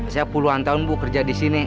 saya puluhan tahun bu kerja di sini